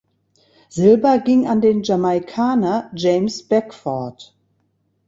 Silber ging an den Jamaikaner James Beckford.